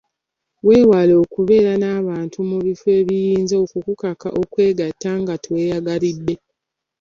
Weewale okubeera n'abantu mu bifo ebiyinza okukukaka okwegatta nga teweeyagalidde.